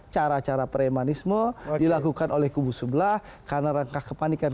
cara cara premanisme dilakukan oleh kubu sebelah karena rangka kepanikan